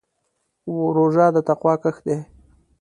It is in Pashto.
روژه د تقوا کښت دی.